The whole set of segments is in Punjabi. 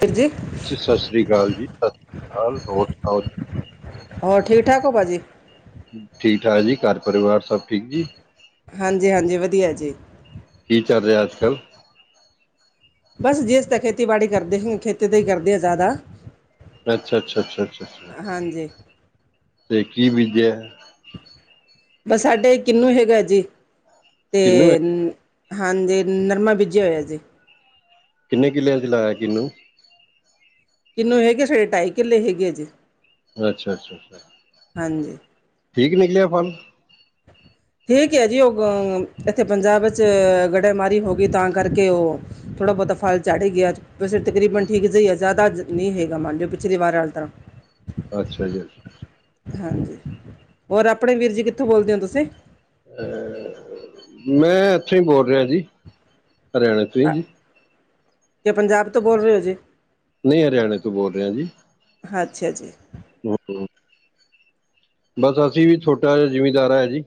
ਵੀਰ ਜੀ ਸਤਿ ਸ੍ਰੀ ਅਕਾਲ ਜੀ, ਸਤਿ ਸ੍ਰੀ ਅਕਾਲ ਹੋਰ ਸੁਣਾਓ ਜੀ। ਹੋਰ ਠੀਕ -ਠਾਕ ਹੋ ਭਾਜੀ- ਠੀਕ -ਠਾਕ ਜੀ, ਘਰ ਪਰਿਵਾਰ ਸਭ ਠੀਕ ਜੀ। ਹਾਂਜੀ- ਹਾਂਜੀ ਵਧੀਆ ਜੀ। ਕੀ ਚੱਲ ਰਿਹਾ ਅਜ -ਕਲ- ਬਸ ਜਿਸ ਤਾਂ ਖੇਤੀਬਾੜੀ ਕਰਦੇ ਖੇਤੀ ਦਾ ਹੀ ਕਰਦੇ ਆ ਜ਼ਿਆਦਾ ਅਛਾ- ਅਛਾ- ਅਛਾ- ਅਛਾ ਹਾਂਜੀ ਤੇ ਕੀ ਬੀਜਿਆ ਬਸ ਸਾਡੇ ਕਿਨੂੰ ਹੈਗਾ ਜੀ, ਤੇ ਕਿਹਨੂੰ ਹੈ ਅ ਹਾਂਜੀ ਨਰਮਾ ਬੀਜੇ ਹੋਇਆ ਜੀ। ਕਿੰਨੇ ਕਿੱਲਿਆਂ 'ਚ ਲਾਇਆ ਕਿੰਨੂੰ ਕਿੰਨੂੰ ਹੈਗੇ ਢਾਈ ਕਿਲੇ ਹੈਗੇ ਜੇ ਅਛਾ- ਅਛਾ- ਅਛਾ ਹਾਂਜੀ ਠੀਕ ਨਿਕਲਿਆ ਫਲ ਠੀਕ ਹੈ। ਜੀ ਉਹ ਅ ਇਥੇ ਪੰਜਾਬ ਵਿਚ ਗੜੇਮਾਰੀ ਹੋ ਗਈ ਤਾਂ ਕਰਕੇ ਉਹ ਥੋੜ੍ਹਾ ਬਹੁਤਾ ਫਲ ਚਾੜੇ ਗਿਆ ਵੈਸੇ ਤਕਰੀਬਨ ਹਮ, ਠੀਕ ਜਿਹਾ ਆ ਜ਼ਿਆਦਾ ਨਹੀ ਹੈਗਾ ਮੰਨ ਲਿਓ ਪਿਛਲੀ ਵਾਰ ਵਾਲ ਤਰ੍ਹਾਂ ਅਛਾ ਜੀ। ਹਾਂਜੀ, ਹੋਰ ਆਪਣੇ ਵੀਰ ਜੀ ਕਿਥੋਂ ਬੋਲਦੇ ਹੋ ਤੁਸੀ- ਮੈਂ ਇੱਥੋਂ ਹੀ ਬੋਲ ਰਿਹਾ ਜੀ, ਹਰਿਆਣੇ ਤੋਂ ਹੀ ਅ- ਜੀ। ਕਿ ਪੰਜਾਬ ਤੋਂ ਬੋਲ ਰਹੇ ਹੋ ਜੀ। ਨਹੀ ਹਰਿਆਣੇ ਤੋਂ ਬੋਲ ਰਿਹਾ ਜੀ। ਅਛਾ ਜੀ। ਬਸ ਅਸੀ ਵੀ ਛੋਟਾ ਜਿਹਾ ਜਿਮੀਦਾਰ ਹੈ। ਜੀ।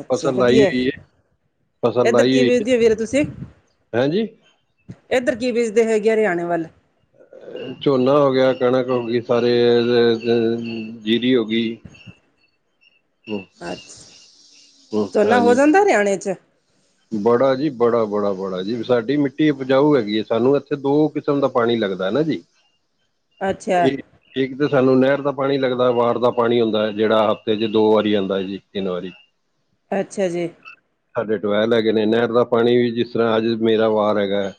ਅਛਾ ਫਸਲ ਲਾਈ ਵਧੀਆ। ਹੋਈ ਹੈ ਫਸਲ ਇਧਰ ਲਾਈ ਕੀ ਹੋਈ ਹੈ ਵੇਚਦੇ ਹੋ ਵੀਰ ਤੁਸੀ ਹੈਂ ਜੀ ਇਧਰ ਕੀ ਬੀਜਦੇ ਹੈਗੇ ਹਰਿਆਣੇ ਵੱਲ ਝੋਨਾ ਹੋ ਗਿਆ ਕਣਕ ਹੋ ਗਈ ਸਾਰੇ ਜੀਰੀ ਹੋ ਗਈ ਹਮ, ਅੱਛਾ ਹਮ, ਝੋਨਾ ਹੋ ਹਾਂਜੀ ਜਾਦਾ ਹਿਆਣੇ 'ਚ- ਬੜਾ ਜੀ ਬੜਾ- ਬੜਾ- ਬੜਾ ਜੀ ਸਾਡੀ ਮਿੱਟੀ ਉਪਜਾਊ ਹੈਗੀਏ ਸਾਨੂੰ ਇਥੇ ਦੋ ਸਮ ਦਾ ਪਾਣੀ ਲੱਗਦਾ ਨਾ ਜੀ। ਅੱਛਾ- ਠੀਕ ਤੇ ਸਾਨੂੰ ਨਹਿਰ ਦਾ ਪਾਣੀ ਲੱਗਦਾ ਵਾਰ ਦਾ ਪਾਣੀ ਹੁੰਦਾ ਜਿਹੜਾ ਹਫ਼ਤੇ ਚ ਦੋ ਵਾਰੀ ਆਉਂਦਾ ਜੀ ਤਿੰਨ ਵਾਰੀ- ਅੱਛਾ ਜੀ- ਸਾਡੇ ਟੁਵੈਲ ਹੈਗੇ ਨੇ ਨਹਿਰ ਦਾ ਪਾਣੀ ਵੀ ਜਿਸ ਤਰ੍ਹਾਂ ਅੱਜ ਮੇਰਾ ਵਾਰ ਹੈਗਾ ਹੈ-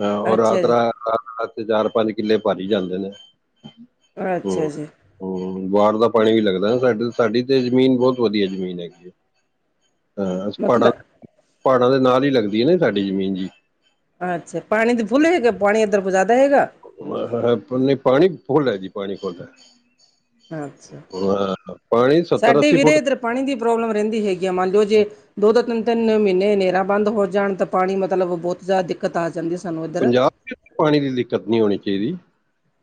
ਹਾਂ ਉਹ ਅੱਛਾ ਰਾਤ ਜੀ ਰਾ ਰਾ ਚਾਰ ਪੰਜ ਕਿੱਲੇ ਭਰੀ ਜਾਂਦੇ ਨੇ- ਅੱਛਾ ਜੀ- ਹਮ ਬਾਹਰ ਦਾ ਪਾਣੀ ਵੀ ਲੱਗਦਾ ਸਾਡੇ ਸਾਡੀ ਤੇ ਜ਼ਮੀਨ ਬਹੁਤ ਵਧੀਆ ਜ਼ਮੀਨ ਹੈਗੀ ਏ - ਹਾਂ ਪਹਾੜਾਂ ਮਤਲਬ ਪਹਾੜਾਂ ਦੇ ਨਾਲ ਹੀ ਲੱਗਦੀ ਹੈ ਨੇ ਸਾਡੀ ਜ਼ਮੀਨ ਜੀ- ਅੱਛਾ ਪਾਣੀ ਦੇ ਫੁੱਲ ਹੈਗਾ ਪਾਣੀ ਇੱਧਰ ਕੋ ਜ਼ਿਆਦਾ ਹੈਗਾ- ਹਾ ਨਹੀਂ ਪਾਣੀ ਫੁੱਲ ਜੀ ਪਾਣੀ ਫੁੱਲ ਆ - ਅੱਛਾ- ਆਹੋ - ਸਾਡੇ ਵੀਰੇ ਇੱਧਰ ਪਾਣੀ ਦੀ ਪ੍ਰੋਬਲਮ ਰਹਿੰਦੀ ਹੈਗੀ ਆ ਮੰਨ ਲਓ ਜੇ- ਦੋ ਦੋ ਤਿੰਨ ਤਿੰਨ ਮਹੀਨੇ ਹਨੇਰਾਾਂ ਬੰਦ ਹੋ ਜਾਣ ਤਾਂ ਪਾਣੀ ਮਤਲਬ ਬਹੁਤ- ਜ਼ਿਆਦਾ ਦਿੱਕਤ ਆ ਜਾਂਦੀ ਹੈ ਸਾਨੂੰ ਇੱਧਰ- ਪੰਜਾਹ ਪਾਣੀ ਦੀ ਦਿੱਕਤ ਨਹੀਂ ਹੋਣੀ ਚਾਹੀਦੀ-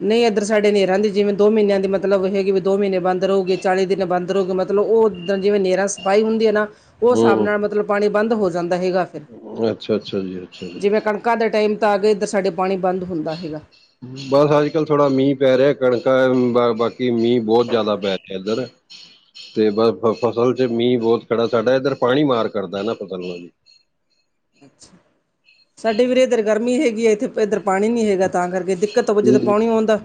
ਨਹੀਂ ਇੱਧਰ ਸਾਡੇ ਨਹੀਂ ਰਹਿੰਦੀ ਜਿਵੇਂ ਦੋ ਮਹੀਨਿਆਂ ਦੀ ਮਤਲਬ ਹੈਗੀ ਵੀ ਦੋ ਮਹੀਨੇ ਬੰਦ ਰਹੇੂਗੀ ਚਾਲੀ ਦਿਨ ਬੰਦ ਰਹੂਗੀ ਮਬ- ਮਤਲਬ ਉਹ ਉੱਦਰ ਜਿਵੇਂ ਨੇਰਾਂ ਸਫਾਈ ਹੁੰਦੀ ਹੈ ਨਾ ਉਸ ਹਿਸਾਬ ਹਮ ਨਾਲ ਮਤਲਬ ਪਾਣੀ ਬੰਦ ਹੋ ਜਾਂਦਾ ਹੈਗਾ- ਅੱਛਾ ਅੱਛਾ ਜੀ ਅੱਛਾ ਜੀ ਜਿਵੇਂ ਕਣਕਾਂ ਦੇ ਟਾਈਮ ਤਾਂ ਆ ਗਏ ਇੱਧਰ ਸਾਡੇ ਪਾਣੀ ਬੰਦ ਹੁੰਦਾ ਹੈਗਾ- ਹਮ- [inaudible] ਬਸ ਅੱਜ ਕੱਲ ਥੋੜਾ ਮੀਂਹ ਪੈ ਰਿਹਾ ਕਣਕ ਬਾਕੀ ਮੀਂਹ ਬਹੁਤ ਜਿਆਦਾ ਪੈ ਰਿਹਾ ਇੱਧਰ- ਤੇ ਬਸ ਫ ਫਸਲ ਚ ਮੀਂਹ ਬਹੁਤ ਖੜਾ ਸਾਡਾ ਇੱਧਰ ਪਾਣੀ ਮਾਰ ਕਰਦਾ ਹਨ ਨਾ ਫਸਲਾਂ ਦੀ- ਸਾਡੇ ਵੀਰੇ ਅਧਰ ਗਰਮੀ ਹੈਗੀ ਹੈ ਇੱਥੇ- ਇੱਧਰ ਪਾਣੀ ਨੀ ਹੈਗਾ ਤਾਂ ਕਰਕੇ ਦਿੱਕਤ ਹੋਜੇ ਤਾਂ ਜੀ ਪਾਣੀ ਆਉਂਦਾ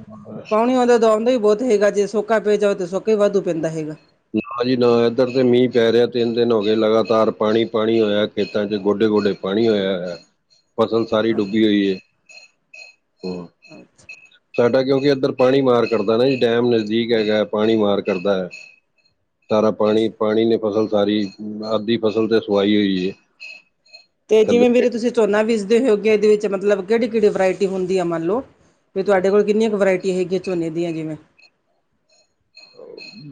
ਪਾਉਣੀ ਆਉਂਦਾ ਦ ਆਉਂਦਾ ਵੀ ਬਹੁਤ ਹੈਗਾ- ਜੇ ਸੋਕਾ ਪੈ ਜਾਵੇ ਤਾਂ ਸੋਕਾ ਹੀ ਵਾਧੂ ਪੈਂਦਾ ਹੈਗਾ- ਨਾ ਜੀ ਨਾ ਇੱਧਰ ਤੇ ਮੀਂਹ ਪੈ ਰਿਹਾ ਤਿੰਨ ਦਿਨ ਹੋ ਗਏ ਲਗਾਤਾਰ ਪਾਣੀ ਪਾਣੀ ਹੋਇਆ- ਖੇਤਾਂ ਚ ਗੋਡੇ ਗੋਡੇ ਪਾਣੀ ਹੋਇਆ ਹੋਇਆ ਫਸਲ- ਸਾਰੀ ਡੁੱਬੀ ਹੋਈ ਹੈ ਹ- ਅੱਛਾ- ਸਾਡਾ ਕਿਉਂਕਿ ਇੱਧਰ ਪਾਣੀ ਮਾਰ ਕਰਦਾ ਨਾ ਜੀ ਡੈਮ ਨਜ਼ਦੀਕ ਹੈਗਾ ਹੈ ਪਾਣੀ ਮਾਰ ਕਰਦਾ ਹੈ- ਸਾਰਾ ਪਾਣੀ ਪਾਣੀ ਨੇ ਫਸਲ ਸਾਰੀ ਅੱਧੀ ਫਸਲ ਤੇ ਸਵਾਈ ਹੋਈ ਹੈ- ਤੇ ਜਿਵੇਂ ਥੱਲੇ ਵੀਰੇ ਤੁਸੀਂ ਝੋਨਾ ਵੀਜਦੇ ਹੋਗੇ ਇਹਦੇ ਵਿੱਚ ਮਤਲਬ ਕਿਹੜੀ ਕਿਹੜੀ ਵਰਾਇਟੀ ਹੁੰਦੀ ਆ ਮੰਨ ਲਓ- ਵੀ ਤੁਹਾਡੇ ਕੋਲ ਕਿੰਨੀਆਂ ਕੁ ਵਰਾਇਟੀੀਆਂ ਹੈਗੀਆਂ ਝੋਨੇ ਦੀਆਂ ਜਿਵੇਂ-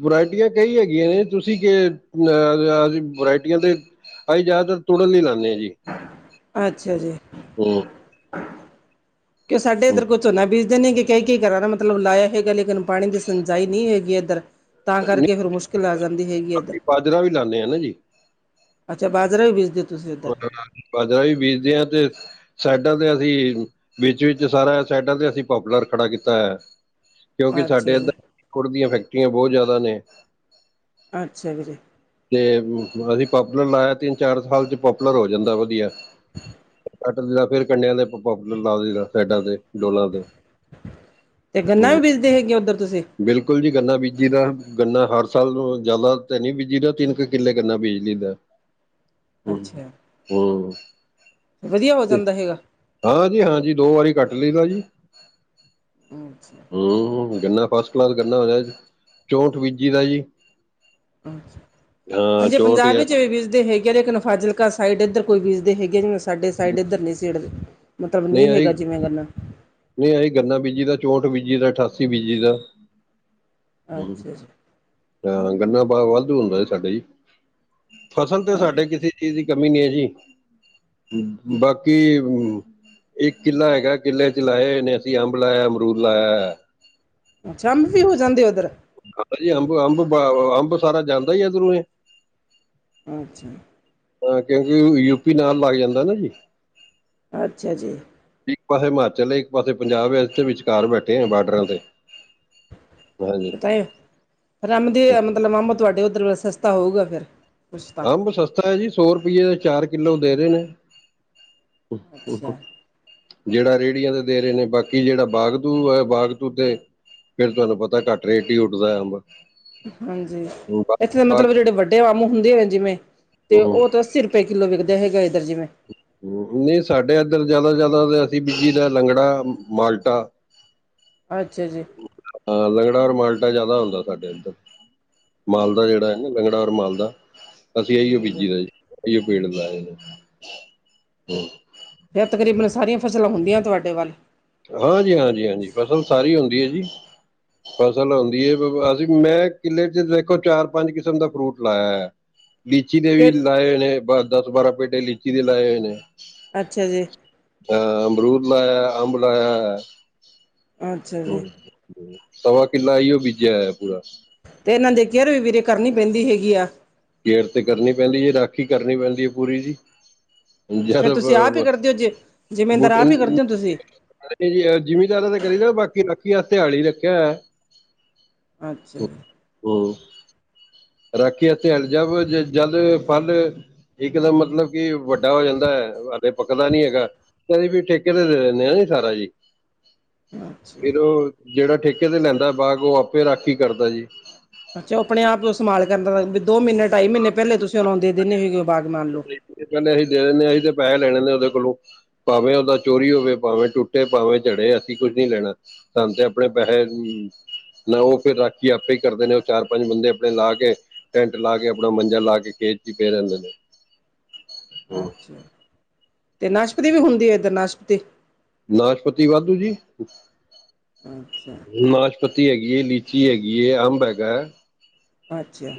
ਵਰਾਇਟੀਆਂ ਕਈ ਹੈਗੀਆਂ ਨੇ ਤੁਸੀਂ ਕਿ ਅ ਵਰਾਇਟੀਆਂ ਤੇ- ਅਸੀਂ ਜ਼ਿਆਦਾਤਰ ਤੜਨ ਲਾਉਦੇ ਆ ਜੀ [inaudible] ਅੱਛਾ ਜੀ- ਹਮ [inaudible] ਕਿਉ ਸਾਡੇ ਹੂੰ ਇੱਧਰ ਕੋਈਝੋਨਾ ਬੀਜਦੇ ਨੇਗੇ- ਕਈ ਕਈ ਘਰਾ ਦਾ ਮਤਲਬ ਲਾਇਆ ਹੈਗਾ ਲੇਕਿਨ ਪਾਣੀ ਦੀ ਸਿੰਜਾਈ ਨ ਨਹੀਂ ਹੈਗੀ ਇੱਧਰ- ਤਾਂ ਕਰਕੇ ਨਹੀਂ ਫਿਰ ਮੁਸ਼ਕਿਲ ਆ ਜਾਂਦੀ ਹੈਗੀ ਇੱਧਰ- ਬਾਜਰਾ ਵੀ ਲਾਉਂਦੇ ਹਾਂ ਨਾ ਜੀ ਅੱਛਾ ਬਾਜਰਾ ਵੀ ਬੀਜ ਦਿਤਾ- ਬਾਜਰਾ ਵੀ ਬੀਜਦੇ ਹਾਂ ਤੇ- ਸਾਈਡਾਂ ਤੇ ਅਸੀਂ ਵਿੱਚ ਸਾਰਾ ਸਾਈਡਾਂ ਤੇ ਅਸੀਂ ਪਾਪੂਲਰ ਖੜਾ ਕੀਤਾ ਹੈ- ਕਿਉਂਕਿ ਅੱਛਾ ਸਾਡੇ ਜੀ ਇੱਧਰ ਕੁੜ ਦੀਆਂ ਫੈਕਟਰੀਆਂ ਬਹੁਤ ਜ਼ਿਆਦਾ ਨੇ- ਅੱਛਾ ਵੀਰੇ- ਤੇ ਅਸੀਂ ਪਾਪੂਲਰ ਲਾਇਆ। ਤਿੰਨ, ਚਾਰ ਸਾਲ ਚ ਪਾਪੂਲਰ ਹੋ ਜਾਂਦਾ ਵਧੀਆ। ਫੇਰ ਕੰਡਿਆਂ ਤੇ, ਪਾਪੂਲਰ ਲਾ ਦਈ ਦਾ, ਸਾਈਡਾਂ ਤੇ, ਡੋਲਾਂ ਤੇ। ਤੇ ਹੂੰ ਗੰਨਾ ਵੀ, ਬੀਜਦੇ ਹੈਗੇ ਔ ਉੱਧਰ ਤੁਸੀਂ। ਬਿਲਕੁਲ ਜੀ, ਗੰਨਾ ਬੀਜੀ ਦਾ। ਗੰਨਾ ਹਰ ਸਾਲ ਜ਼ਿਆਦਾ ਤਾਂ ਨਹੀਂ, ਬੀਜੀ ਦਾ ਤਿੰਨ ਕੁ ਕਿੱਲੇ ਗੰਨਾ ਬਿਜਲੀ ਦਾ। ਅੱਛਾ ਵਧੀਆ ਹੋ ਜਾਂਦਾ ਹੈਗਾ- ਹਾਂਜੀ-ਹਾਂਜੀ, ਦੋ ਵਾਰੀ ਕੱਟ ਲੈਂਣੀ ਦਾ ਜੀ। ਅੱਛਾ। ਹੂੰ, ਗੰਨਾ ਫਸਟ ਕਲਾਸ, ਗੰਨਾ ਹੋ ਜਾਏ। ਚੋਂਠ ਬੀਜੀ ਦਾ ਜੀ। ਹਾਂ ਹਾਂਜੀੇ, ਚੌਂਠ ਪੰਜਾਬ ਆ ਵਿੱਚ ਵੀ ਬੀਜਦੇ ਹੈਗੇ ਆ। ਲੇਕਿਨ, ਫਾਜ਼ਿਲਕਾ ਸਾਈਡ, ਇੱਧਰ ਕੋਈ ਬੀਜਦੇ ਹੈਗੇ ਆ। ਜਿਨਂ ਸਾਡੇ ਸਾਈਡ ਇੱਧਰ ਨਹੀਂ ਸੀੇੜਦੇ। ਮਤਲਬ ਨਹੀਂ, ਹੈਗਾ ਜਿਵੇਂ ਕਰਨਾ। ਨਹੀਂ ਅਸੀਂ, ਗੰਨਾ ਬੀਜੀ ਦਾ, ਚੌਂਹਠ ਬੀਜੀ ਦਾ, ਅਠਾਸੀ ਬੀਜੀ ਦਾ, ਹੂੰ। ਅੱਛਾ ਜੀ ਹਾਂ, ਗੰਨਾ ਪਾ ਵਾਧੂ ਹੁੰਦਾ ਸੀ ਸਾਡੇ ਜੀ। ਫਸਲ ਤੇ ਸਾਡੇ ਕਿਸੇ ਚੀਜ਼ ਦੀ ਕਮੀ, ਨਹੀਂ ਹੈ ਜੀ, ਬਾਕੀ। ਇੱਕ ਕਿੱਲਾ ਹੈਗਾ। ਕਿੱਲੇ ਚ ਲਾਏ ਹੋਏ ਨੇ ਅਸੀਂ। ਅੰਬ ਲਾਇਆ, ਅਮਰੂਦ ਲਾਇਆ। ਅੱਛਾ ਅੰਬ ਵੀ, ਹੋ ਜਾਂਦੇ ਉੱਧਰ। ਹ ਜੀ ਅੰਬ, ਅੰਬ- ਅੰਬ ਸਾਰਾ ਜਾਂਦਾ ਹੀ ਇਧਰੋਂ ਇਹ। ਅੱਛਾ। ਹਾਂ, ਕਿਉਂਕਿ ਯੂਪੀ ਨਾਲ, ਲੱਗ ਜਾਂਦਾ ਨਾ ਜੀ। ਅੱਛਾ ਜੀ। ਇੱਕ ਪਾਸੇ ਹਿਮਾਚਲ ਹੈ, ਇੱਕ ਪਾਸੇ ਪੰਜਾਬ ਹੈ, ਇਥੇ ਵਿਚਕਾਰ ਬੈਠੇ ਆ, ਬਾਰਡਰਾਂ ਤੇ। ਹਾਂ [unintelligible] ਆਮ ਦੀ ਮਤਲਬ, ਆਮ ਤੁਵਾਡੇ ਉਧਰ ਵੇ ਸਸਤਾ ਹੋਊਗਾ ਫੇਰ। ਅੰਬ ਸਸਤਾ ਹੈ ਜੀ, ਸੌ ਰੁਪਈਏ ਦੇ ਚਾਰ ਕਿੱਲੋ ਦੇ ਰਹੇ ਨੇ।??? ਅੱਛਾ [inaudible] ਜਿਹੜਾ ਰੇਹੜੀਆਂ ਤੇ, ਦੇ ਰਹੇ ਨੇ। ਬਾਕੀ ਜਿਹੜਾ ਬਾਗਤੂ ਹੈ, ਬਾਗਤੂ ਤੇ ਫੇਰ ਤੁਹਾਨੂੰ ਪਤਾ, ਘੱਟ ਰੇਟ ਹੀ ਉੱਠਦਾ ਅੰਬ। ਹਾਂਜੀ, ਇੱਥੇ ਬਾਕੀ ਦੇ ਬਾਗ ਮਤਲਬ ਜਿਹੜੇ ਵੱਡੇ ਵਾਮੂ ਹੁੰਦੇ ਨੇ। ਜਿਵੇਂ ਤੇ ਹੂੰ ਉਹ ਤਾਂ ਸਿਰ ਰੁਪਏ ਕਿੱਲੋ ਵਿਕਦੇ, ਹੈਗਾ ਇਦਰ ਜਿਵੇਂ। ਨਹੀਂ ਸਾਡੇ ਇੱਧਰ ਜਿਆਦਾ, ਜ਼ਿਆਦਾ ਅਸੀਂ ਵੇਚੀ ਦਾ ਲੰਗੜਾ, ਮਾਲਟਾ। ਅੱਛਾ ਜੀ। ਹਾਂ, ਲੰਗੜਾ ਔਰ ਮਾਲਟਾ ਜਿਆਦਾ ਹੁੰਦਾ ਸਾਡੇ ਇੱਧਰ। ਮਾਲ ਦਾ ਜਿਹੜਾ ਨਾ, ਮੰਗੜਾ ਔਰ ਮਾਲਦਾ, ਅਸੀਂ ਆਈ ਉਹ ਹਾਂਜੀ ਬੀਜੀ ਦਾ ਜੀ। ਅਈ ਔ ਪੇੜ ਲਾਏ ਹੈ। ਏਹ ਤਕਰੀਬਨ, ਸਾਰੀਆਂ ਫਸਲਾਂ ਹੁੰਦੀਆਂ ਤੁਹਾਡੇ ਵੱਲ। ਹਾਂਜੀ- ਹਾਂਜੀ, ਹਾਂਜੀ। ਫਸਲ ਸਾਰੀ ਹੁੰਦੀ ਹੈ ਜੀ। ਫਸਲ ਆਉਂਦੀ ਹੈ। ਅਸੀਂ ਮੈਂ ਕਿੱਲੇ ਚ ਦੇਖੋ ਚਾਰ ਪੰਜ ਕਿਸਮ ਦਾ ਫਰੂਟ ਲਾਇਆ ਹੈ। ਲੀਚੀ ਦੇ ਵੀ ਕਿ ਲਾਏ ਹੋਏ ਨੇ। ਦੱਸ, ਬਾਰਾਂ ਪੇਟੇ ਲੀਚੀ ਦੇ ਲਾਏ ਹੋਏ ਨੇ। ਅੱਛਾ ਜੀ। ਹਾਂ, ਅਮਰੂਦ ਲਾਇਆ ਅੰਬ ਲਾਇਆ ਹੈ। ਅੱਛਾ ਹੋ, ਜੀ ਤਵਾ ਕਿਲਾ ਇਹੀਔ ਬੀਜਿਆ ਹੋਇਆ ਪੂਰਾ। ਤੇ ਇਹਨਾਂ ਦੀ ਕੇਅਰ, ਵੀਰੇ ਕਰਨੀ ਪੈਂਦੀ ਹੈਗੀ ਆ। ਕੇਰ ਤੇ ਕਰਨੀ ਪੈਂਦੀ ਜੀ। ਰਾਖੀ ਕਰਨੀ ਪੈਂਦੀ ਹੈ ਪੂਰੀ ਜੀ। ਅੱਛਾ ਫਿਰ ਜਿਆਦਾ ਤੁਸੀਂ ਆਪ ਹੀ ਕਰਦੇ ਹੋ ਜੇ ਜਿਮੀਂਦਾਰ ਬੂਟੇ ਆਪ ਹੀ ਨੂੰ। ਕਰਦੇ ਹੋ ਤੁਸੀਂ ਜੀ ਜਿਮੀਦਾਰ ਤੇ ਕਰੀ ਦਾ। ਬਾਕੀ ਰਾਖੀ ਵਾਸਤੇ ਦਿਹਾੜੀ ਰੱਖਿਆ ਹੋਇਆ। ਅੱਛਾ ਜੀ। ਹੋਰ? ਰੱਖੀ ਧਿਆਲ ਜਾਵ ਜੇ ਜਲ, ਫਲ। ਇੱਕ ਤਾਂ ਮਤਲਬ ਕਿ, ਵੱਡਾ ਹੋ ਜਾਂਦਾ ਹੈ। ਹਜੇ ਪੱਕਦਾ ਨੀ ਹੈਗਾ। ਅਸੀਂ ਵੀ ਠੇਕੇ ਤੇ, ਦੇ ਦਿੰਦੇ ਆ ਨੀ ਸਾਰਾ ਜੀ। ਹ [inaudible] ਫੇਰ ਉਹ ਜਿਹੜਾ ਠੇਕੇ ਤੇ ਲੈਂਦਾ ਬਾਗ ਉਹ ਆਪੇ ਰਾਖੀ ਕਰਦਾ ਜੀ। ਅੱਛਾ ਆਪ ਉਹ ਸਮਾਲ ਕਰਨਾ ਦਾ ਵੀ ਦੋ ਮਹੀਨੇ ਢਾਈ ਮਹੀਨੇ ਪਹਿਲੇ ਤੁਸੀਂ ਉਹਨਾਉਂਦੇ ਦਿੰਦੇ ਸੀਗੇ ਉਹ ਬਾਗ ਮੰਨ ਲਓ। ਪਹਿਲੇ ਅਹੀ ਦੇਿੰਦੇ ਹ ਅਹੀ ਤੇ ਪੈੇਹੇ ਲੈਣੇ ਹੁੰਦੇ ਉਹਦੇ ਕੋਲੋਂ ਭਾਵੇਂ ਉਹਦਾ ਚੋਰੀ ਹੋਵੇ ਭਾਵੇਂ ਟੁੱਟੇ ਭਾਵੇਂ ਝੜੇ ਅਸੀਂ ਕੁੱਝ ਨੀ ਲੈਣਾ। ਸਾਨੂੰ ਤੇ ਅਪਣੇ ਪੈਹੇ ਨਾ ਉਹ ਫੇਰ ਰਾਖੀ ਆਪੇ ਈ ਕਰਦੇ ਨੇ ਓਹ ਚਾਰ-ਪੰਜ ਬੰਦੇ ਅਪਣੇ ਲਾ ਕੇ। ਟੈਂਟ ਲਾ ਕੇ ਅਪਣਾ ਮੰਜਾ ਲਾ ਕੇ ਖੇਤ 'ਚ ਪਏ ਰਹਿੰਦੇ ਨੇ। ਹੂੰ ਅੱਛਾ ਤੇ ਨਾਸ਼ਪਤੀ ਵੀ ਹੁੰਦੀ ਏ ਏਧਰ ਨਾਸ਼ਪਤੀ ਨਾਸ਼ਪਤੀ ਵਾਧੂ ਜੀ। ਅੱਛਾ ਨਾਸ਼ਪਤੀ ਹੈਗੀ ਏ ਲੀਚੀ ਹੈਗੀ ਏ ਅੰਬ ਹੈਗੈ। ਅੱਛਾ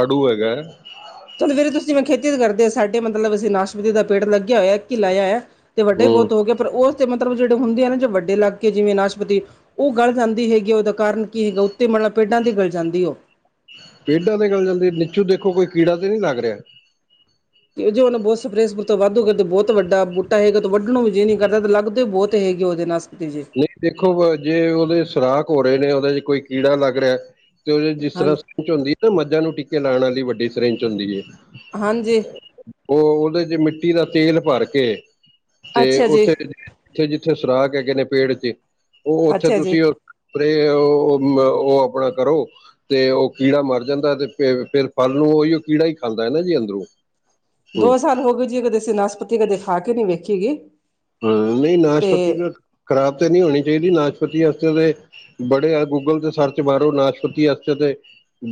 ਆੜੂ ਹੈਗਾ। ਚਲੋ ਫੇਰ ਤੁਸੀਂ ਮੈਂ ਖੇਤੀ ਕਰਦੇ ਹੋ ਸਾਡੇ ਮਤਲਬ ਅਸੀਂ ਨਾਸ਼ਪਤੀ ਦਾ ਪੇੜ ਲੱਗਿਆ ਹੋਇਆ ਕੀ ਈ ਲਾਇਆ। ਤੇ ਵੱਡੇ ਹੂੰ ਬਤ ਹੋ ਗੇ ਪਰ ਓ ਤੇ ਮਤਲਬ ਜਿਹੜੇ ਹੁੰਦੇ ਆ ਨਾ ਜ ਵੱਡੇ ਲਾਗ ਕੇ ਜਿਵੇਂ ਨਾਸ਼ਪਤੀ ਓਹ ਗਲ ਜਾਂਦੀ ਹੈਗੀ ਉਹਦਾ ਕਾਰਨ ਕੀ ਹੈਗਾ। ਤੇ ਮਤਲਬ ਪੇਡਾਂ ਤੇ ਗਲ ਜਾਂਦੀ ਏ ਓ। ਪੇਡਾਂ ਦੇ ਗਲ ਜਾਂਦੇ ਨੀਚੂ ਦੇਖੋ ਕੋਈ ਕੀੜਾ ਤੇ ਨੀ ਲੱਗ ਰਿਹਾ। ਵੀਰ ਜੀ ਉਹਨੂ ਬੋਤ ਸਪਰੇ-ਸਪਰੂ ਤੋਂ ਵਾਧੂ ਕਰਦੇ ਬੋਤ ਵਡਾ ਬੂਟਾ ਹੈਗੇ ਤੋਂ ਵੱਡਣੋ ਵੀ ਜੀਅ ਨੀ ਕਰਦਾ ਤੇ ਲੱਗਦੇ ਬੋਤ ਤੇ ਹੇਗੀ ਓਹਦੇ ਨਾਸਪਤੀ ਜੀ। ਨਹੀਂ ਦੇਖੋ ਵ ਜੇ ਉਹਦੇ ਸੁਰਾਖ ਹੋ ਰਹੇ ਨੇ ਉਹਦੇ 'ਚ ਕੋਈ ਕੀੜਾ ਲੱਗ ਰਿਹਾ ਤੇ ਉਹਦੇ ਜਿਸ ਹਾਂ ਤਰ੍ਹਾਂ 'ਚ ਹੁੰਦੀ ਏ ਨਾ ਮੱਝਾਂ ਨੂੰ ਟੀਕੇ ਲਾਂਣ ਆਲੀ ਵੱਡੀ ਸਰੇੰਚ ਹੁੰਦੀ ਏ। ਹਾਂਜੀ ਓਹ ਉਹਦੇ 'ਚ ਮਿੱਟੀ ਦਾ ਤੇਲ ਭਰ ਕੇ ਤੇ ਅੱਛਾ ਜੀ, ਉਥੇ ਜਿੱਥੇ-ਜਿੱਥੇ ਸੁਰਾਖ ਹੈਗੇ ਨੇ ਪੇੜ 'ਚ ਓਹ ਉਥੇ ਅੱਛਾ ਜੀ। ਤੁਸੀਂ ਪਰੇ ਓਹ ਮ ਓਹ ਅਪਣਾ ਕਰੋ। ਤੇ ਓਹ ਕੀੜਾ ਮਰ ਜਾਂਦੈ ਤੇ ਫੇਰ- ਫੇਰ ਫਲ ਨੂੰ ਓਹੀਓ ਕੀੜਾ ਹੀ ਖਾਂਦਾ ਈ ਨਾ ਜੀ ਅੰਦਰੋਂ। ਹੂੰ ਦੋ ਸਾਲ ਹੋ ਗਏ ਜੀ ਕਦੇ ਅਸੀ ਨਾਸਪਤੀ ਕਦੇ ਖਾ ਕੇ ਨਹੀਂ ਵੇਖੀ ਹੈਗੀ। ਹਾਂ ਨਹੀਂ ਨਾਸ਼ਪਤੀ ਤਾਂ ਖ਼ਰਾਬ ਤੇ ਨਹੀਂ ਹੋਣੀ ਚਾਹੀਦੀ ਨਾਸ਼ਪਤੀ ਆਸਤੇ ਤੇ ਬੜੇ ਆ ਗੂਗਲ ਤੇ ਸਰਚ ਮਾਰੋ, ਨਾਸ਼ਪਤੀ ਆਸਤੇ ਤੇ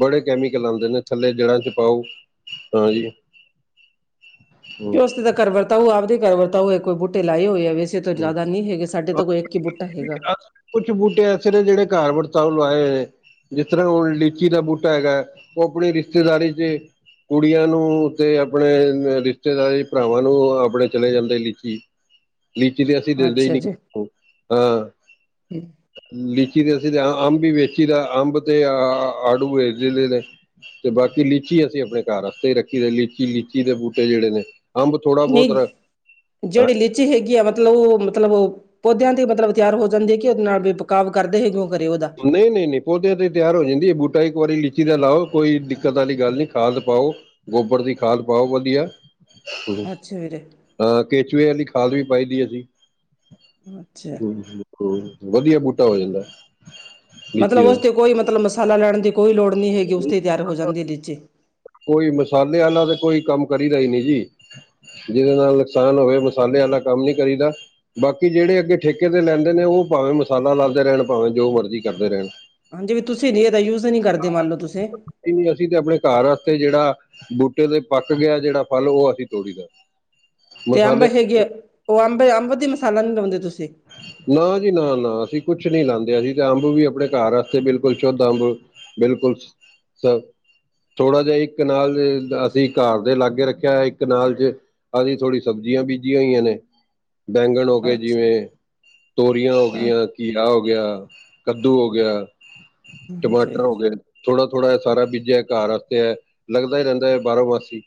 ਬੜੇ ਕੈਮੀਕਲ ਆਂਦੇ ਨੇ ਥੱਲੇ ਜੜ੍ਹਾਂ 'ਚ ਪਾਓ ਹਾਂਜੀ। ਕਿ ਹੂੰ ਓਸ ਤੇ ਤਾਂ ਕਰ ਵਰਤਾਊ ਆਪਦੇ ਘਰ ਵਰਤਾਉ ਯਾ ਕੋਈ ਬੂਟੇ ਲਾਏ ਹੋਏ ਐ ਵੇਸ ਇਦੇ ਤੋਂ ਹੂੰ। ਜਿਦਾ ਨੀ ਹੈਗੇ ਸਾਡੇ ਤੋਂ ਕੋਈ ਏਕ ਈ ਬੂਟਾ ਹੈਗਾ। ਕੁਛ ਬੂਟੇ ਐਸੇ ਨੇ ਜਿਹੜੇ ਘਾਰ ਵਰਤਾਊ ਲਵਾਏ ਹੋਏ ਨੇ। ਜਿਸ ਤਰ੍ਹਾਂ ਓਹ ਲੀਚੀ ਦਾ ਬੂਟਾ ਹੈਗੈ ਓਹ ਅਪਣੀ ਰਿਸ਼ਤੇਦਾਰੀ 'ਚ ਕੁੜੀਆਂ ਨੂੰ ਤੇ ਅਪਣੇ ਰਿਸ਼ਤੇਦਾਰੀ ਭਰਾਵਾਂ ਨੂੰ ਅਪਣੇ ਚਲੇ ਜਾਂਦੇ ਲਿੱਚੀ ਲੀਚੀ ਤੇ ਅਸੀਂ ਦੇੰਦੇ ਹੀ ਅੱਛਾ ਨੀ ਜੀ, [unintelligible] ਆ। ਲਿਚੀ ਦੇ ਅਸੀ ਤੇ ਅੰਬ ਵੀ ਵੇਚੀ ਦਾ ਅੰਬ ਤੇ ਆ ਆੜੂ ਵੇਚਦੇ ਨੇ। ਤੇ ਬਾਕੀ ਲੀਚੀ ਅਸੀਂ ਅਪਣੇਂ ਘਰ ਆਸਤੇ ਹੀ ਰੱਖੀ ਦੈ ਲੀਚੀ -ਲੀਚੀ ਦੇ ਬੂਟੇ ਜਿਹੜੇ ਨੇ। ਅੰਬ ਥੋੜਾ ਬਹੁਤ ਨਹੀਂ ਰ ਹਾਂ ਜਿਹੜੀ ਲੀਚੀ ਹੈਗੀ ਆ ਮਤਲਬ ਓਹ ਮਤਲਬ ਪੌਦਿਆਂ ਤੇ ਮਤਲਬ ਤਿਆਰ ਹੋ ਜਾਂਦੀ ਏ ਕਿ ਉਦੇ ਨਾਲ ਬੀ ਬਕਾਵ ਕਰਦੇ ਹੈ ਕਿਉਂ ਕਰੇ ਉਦਾ। ਨਹੀਂ -ਨਹੀਂ- ਨਹੀਂ ਪੌਦਿਆਂ ਤੇ ਤਿਆਰ ਹੋ ਜਾਂਦੀ ਏ ਬੂਟਾ ਇੱਕ ਵਾਰੀ ਲੀਚੀ ਦਾ ਲਾਓ ਕੋਈ ਦਿੱਕਤ ਆਲੀ ਗੱਲ ਨਹੀਂ ਖਾਦ ਪਾਓ। ਗੋਬਰ ਦੀ ਖਾਦ ਪਾਓ ਵਧੀਆ। ਅੱਛਾ ਵੀਰੇ। ਹਾਂ ਕੇਚਵੇ ਅਲੀ ਖਾਦ ਵੀ ਪਾਈ ਦੀ ਅਸੀ ਅੱਛਾ। [inaudible] ਹੂੰ ਵਧੀਆ ਬੂਟਾ ਹੋ ਜਾਂਦਾ। ਲੀਚੀ ਮਤਲਬ ਦਾ ਓਸ ਤੇ ਕੋਈ ਮਤਲਬ ਮਸਾਲਾ ਲੈਣ ਦੀ ਕੋਈ ਲੋੜ ਨਹੀਂ ਹੈਗੀ ਉਸ ਤੇ ਈ ਤਿਆਰ ਹੋ ਜਾਂਦੀ ਏ ਲੀਚੀ ਕੋਈ ਮਸਾਲੇ ਆਲਾ ਤੇ ਕੋਈ ਕੰਮ ਕਰੀਦਾ ਹੀ ਨੀ ਜੀ। ਜਿਦੇ ਨਾਲ ਨੁਕਸਾਨ ਹੋਵੇ ਮਸਾਲੇ ਆਲਾ ਕੰਮ ਨੀ ਕਰੀਦਾ। ਬਾਕੀ ਜਿਹੜੇ ਅੱਗੇ ਠੇਕੇ ਤੇ ਲੈਂਦੇ ਨੇ ਔਹ ਭਾਵੇਂ ਮਸਾਲਾ ਲਾਦੇ ਰਹਿਣ ਭਾਵੇਂ ਜੋ ਮਰਜ਼ੀ ਕਰਦੇ ਰਹਿਣ। ਹਾਂਜੀ, ਵੀ ਤੁਸੀਂ ਜੀ ਏਦਾ ਯੂਜ ਨੀ ਕਰਦੇ ਮੰਨ ਲਓ ਤੁਸੀਂ। ਕੋਈ ਨੀ ਅਸੀਂ ਤੇ ਅਪਣੇ ਘਾਰ ਆਸਤੇ ਜੇੜਾ ਬੂਟੇ ਤੇ ਪੱਕ ਗਿਆ ਜਿਹੜਾ ਫਲ ਓਹ ਅਸੀਂ ਤੋੜੀਦਾ। ਤੇ ਅੰਬ ਹੈਗੇ ਆ, ਓਹ ਅੰਬ। ਅੰਬ ਦੀ ਮਸਾਲਾ ਨੀ ਲਾਉਂਦੇ ਤੁਸੀਂ? ਨਾ ਜੀ ਨਾ, ਨਾ ਅਸੀਂ ਕੁਛ ਨੀ ਲਾਦੇ ਅਸੀ ਤੇ ਅੰਬ ਵੀ ਆਪਣੇ ਘਰ ਵਾਸਤੇ ਬਿਲਕੁਲ ਸ਼ੁੱਧ ਅੰਬ ਬਿਲਕੁਲ ਸਭ ਥੋੜਾ ਜਿਹਾ ਇੱਕ ਕਨਾਲ ਅਸੀਂ ਘਰ ਦੇ ਲਾਗੇ ਰੱਖਿਆ ਇੱਕ ਕਨਾਲ ਚ ਅਸੀਂ ਥੋੜੀ ਸਬਜ਼ੀਆਂ ਬੀਜੀਆਂ ਹੋਈਆਂ ਨੇ। ਬੈਂਗਣ ਹੋ ਗਏ ਅੱਛਾ ਜਿਵੇਂ, ਤੋਰੀਆਂ ਹੋ ਗਈਆਂ। ਘੀਆ ਹੋ ਗਿਆ, ਕੱਦੂ ਹੋ ਗਿਆ, ਜੀ ਟਮਾਟਰ ਹੋ ਗਏ। ਥੋੜਾ, ਥੋੜਾ ਸਾਰਾ ਬੀਜਿਆ ਘਰ ਵਾਸਤੇ ਲੱਗਦਾ ਹੀ ਰਹਿੰਦਾ ਹੈ, ਬਾਹਰਾ ਮਾਸੀ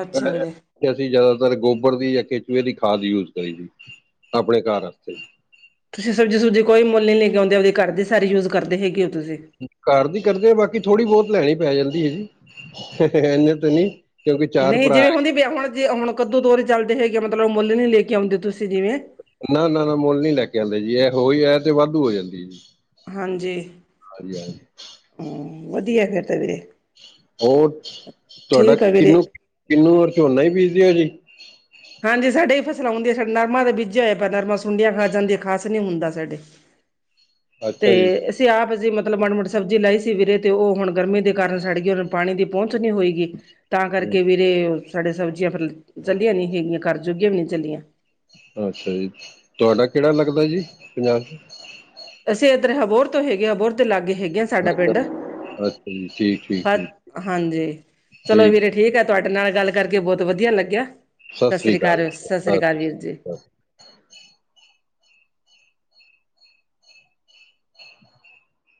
ਅੱਛਾ ਵੀਰੇ ਅਸੀਂ ਜ਼ਿਆਦਾਤਰ ਗੋਬਰ ਦੀ ਜਾਂ ਖਿਚਏ ਦੀ ਖਾਦ ਯੂਜ ਕਰੀ ਦੀ ਆਪਣੇ ਘਰ ਵਾਸਤੇ ਤੁਸੀਂ ਸਬਜ਼ੀ, ਸੁਬਜ਼ੀ ਕੋਈ ਮੁੱਲ ਨੀ ਲੈ ਕੇ ਆਉਂਦੇ ਆਪਣੇ ਘਰ ਦੀ ਸਾਰੀ ਯੂਜ ਕਰਦੇ ਹੈਗੇ ਹੋ ਤੁਸੀਂ। ਘਰ ਦੀ ਕਰਦੇ ਬਾਕੀ ਥੋੜ੍ਹੀ ਬਹੁਤ ਲੈਣੀ ਪੈ ਜਾਂਦੀ ਹੈ ਜੀ, ਇਨੇ ਤੇ ਨੀ ਨਹੀਂ ਜਿਵੇਂ ਹੁੰਦੀ ਵਿ ਹੁਣ ਜੇ ਹੁਣ ਕੱਦੂ, ਤੋਰੀ ਚੱਲਦੇ ਹੈਗੇ ਆ ਮਤਲਬ ਮੁੱਲ ਨਹੀਂ ਲੈ ਕੇ ਆਉਂਦੇ। ਤੁਸੀਂ ਜਿਵੇਂ ਨਾ, ਨਾ, ਨਾ ਮੁੱਲ ਨੀ ਲੈ ਕੇ ਆਉਂਦੇ ਜੀ, ਇਹ ਹੋ ਹੀ ਹੈ ਤੇ ਵਾਧੂ ਹੋ ਜਾਂਦੀ ਜੀ। ਹਾਂਜੀ ਹਾਂਜੀ ਹਾਂਜੀ ਹਮ ਵਧੀਆ ਫੇਰ ਤੇ ਵਿ। ਹੋਰ ਤੁਹਾਡਾ ਵੀਰੇ ਕਿੰਨੂੰ, ਕਿੰਨੂੰ ਔਰ ਝੋਨਾ ਵੀ ਬੀਜਦੇ ਆ ਜੀ। ਹਾਂਜੀ, ਸਾਡੇ ਹੀ ਫਸਲਾਂ ਹੁੰਦੀਆਂ ਸਾਡੇ ਨਰਮਾ ਦਾ ਬੀਜਿਆ ਹੋਇਆ ਪਰ ਨਰਮਾ ਸੁੰਡੀਆਂ ਖਾ ਜਾਂਦੀਆਂ ਖਾਸ ਨੀ ਹੁੰਦਾ ਸਾਡੇ। ਤੇ ਅੱਛਾ ਜੀ ਅਸੀਂ ਆਪ ਅਸੀਂ ਮਤਲਬ ਮਾੜੀ ਮੋਟੀ ਸਬਜ਼ੀ ਲਾਈ ਸੀ। ਵੀਰੇ ਤੇ ਉਹ ਹੁਣ ਗਰਮੀ ਦੇ ਕਾਰਨ ਸਾੜ ਗਈ। ਉਹ ਨੇ ਪਾਣੀ ਦੀ ਪਹੁੰਚਣੀ ਹੋਏਗੀ ਤਾਂ ਹਮ, ਕਰਕੇ ਵੀਰੇ। ਸਾਡੇ ਸਬਜ਼ੀਆਂ ਫਿਰ ਚੱਲੀਆਂ ਨੀ ਹੈਗੀਆਂ, ਘਰ ਜੋਗੀਆਂ ਵੀ ਨੀ ਚੱਲੀਆਂ। ਅੱਛਾ ਜੀ, ਤੁਹਾਡਾ ਕਿਹੜਾ ਲੱਗਦਾ ਜੀ ਪੰਜਾਬ 'ਚ ਅਸੀਂ ਇੱਧਰ ਅਬੋਹਰ ਤੋਂ ਹੈਗੇ ਅਬੋਹਰ ਦੇ ਲਾਗੇ ਹੈਗੇ। ਵਧੀਆ ਸਾਡਾ ਅੱਛਾ ਪਿੰਡ ਅੱਛਾ ਜੀ ਠੀਕ ਠੀਕ ਫ ਠੀਕ ਹਾਂਜੀ ਚਲੋ ਵੀਰੇ ਠੀਕ ਆ। ਤੁਹਾਡੇ ਨਾਲ ਗੱਲ ਕਰਕੇ ਬਹੁਤ ਵਧੀਆ ਲੱਗਿਆ, ਸਤਿ ਸ੍ਰੀ ਅਕਾਲ, ਸਤਿ ਸ੍ਰੀ ਅਕਾਲ ਵੀਰ ਜੀ।